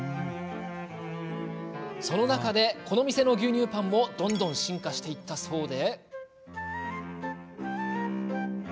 その中で、この店の牛乳パンもどんどん進化していったそうで。